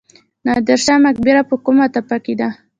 نادر شاه مقبره په کومه تپه ده؟